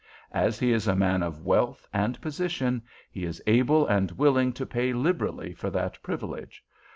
As he is a man of wealth and position, he is able and willing to pay liberally for that privilege.